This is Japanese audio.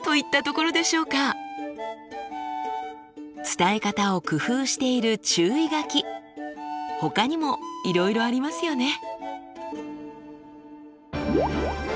伝え方を工夫している注意書きほかにもいろいろありますよね。